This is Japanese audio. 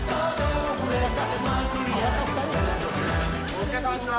お疲れさまでした。